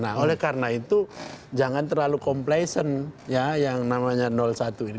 nah oleh karena itu jangan terlalu complation ya yang namanya satu ini